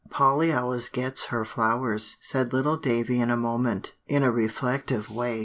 "Polly always gets her flowers," said little Davie in a moment, in a reflective way.